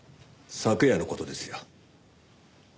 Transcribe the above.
昨夜の事ですよ。